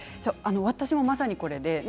私も、まさにこれです。